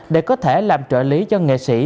để có thể làm trợ lý cho nghệ sĩ